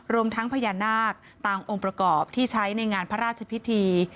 รวมทั้งพญานาคตามองค์ประกอบที่ใช้ในงานพระราชพิธี